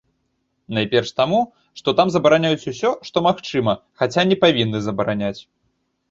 Найперш таму, што там забараняюць усё, што магчыма, хаця не павінны забараняць.